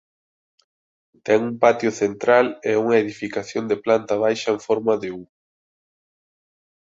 Ten un patio central e unha edificación de planta baixa en forma de U.